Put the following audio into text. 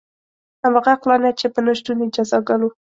همغه عقلانیت چې په نه شتون یې جزا ګالو.